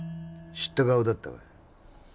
知った顔だったか？